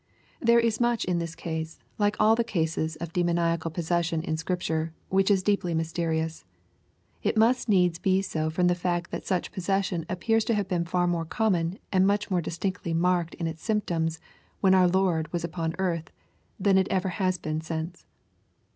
] There is much in this case, like all the cases of demoniaod possession in Scripture, which is deeply mysterious. It must needs be so from the fact that such possession appears to have been &r more common, and much more distinctly marked in its symptoms, when our Lord was upon earth, than it ever has been since.